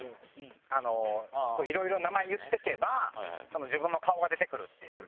あのこういろいろ名前言ってけば自分の顔が出てくるっていう。